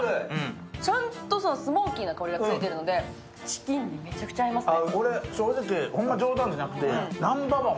ちゃんとスモーキーな香りがついているので、チキンにめちゃくちゃ合いますね。